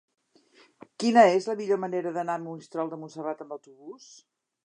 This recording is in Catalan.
Quina és la millor manera d'anar a Monistrol de Montserrat amb autobús?